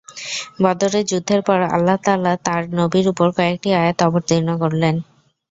বদরের যুদ্ধের পর আল্লাহ তাআলা তাঁর নবীর উপর কয়েকটি আয়াত অবতীর্ণ করলেন।